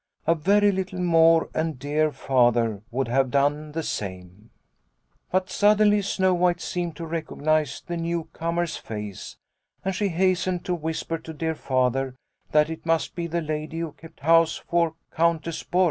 A very little more and dear Father would have done the same. Snow White 45 " But suddenly Snow White seemed to recog nise the new comer's face, and she hastened to whisper to dear Father that it must be the lady who kept house for Countess Borg.